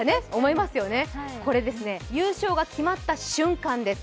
これ優勝が決まった瞬間です。